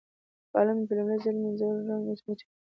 کالو مې په لومړي ځل مينځول رنګ واچاوو.